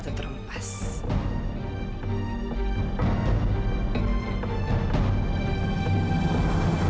kita bisa mengupasi makanan selalu